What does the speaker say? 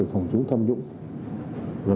phòng chống tham nhũng